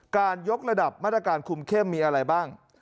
ยกระดับมาตรการคุมเข้มมีอะไรบ้าง